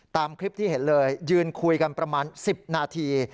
ตามคลิปที่เห็นเลยยืนคุยกันประมาณ๑๐นาที